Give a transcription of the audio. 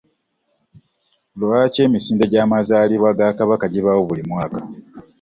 Lwaki emisinde gy'amazalibwa ga kabaka gibaawo buli mwaka?